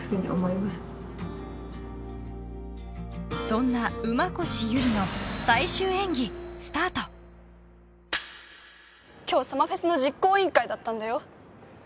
そんな馬越友梨の最終演技スタート今日サマフェスの実行委員会だったんだよ